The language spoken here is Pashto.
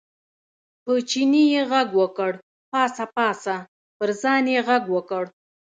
په چیني یې غږ وکړ، پاڅه پاڅه، پر ځان یې غږ وکړ.